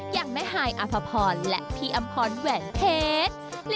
อย่างแม่ฮายอภพรและพี่อำพรแหวนเพชร